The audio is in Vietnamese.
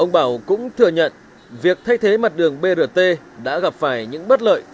ông bảo cũng thừa nhận việc thay thế mặt đường brt đã gặp phải những bất lợi